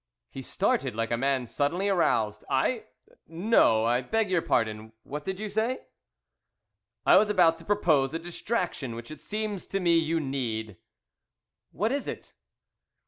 He started like a man suddenly aroused. "I! No. I beg your pardon; what did you say?" "I was about to propose a distraction which it seems to me you need." "What is it?"